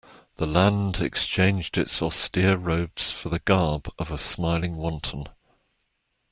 The land exchanged its austere robes for the garb of a smiling wanton.